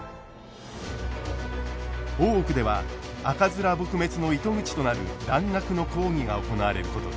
大奥では赤面撲滅の糸口となる蘭学の講義が行われることに。